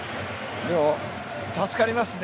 助かりますね。